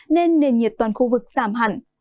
nên nền nhiệt toàn khu vực giảm hẳn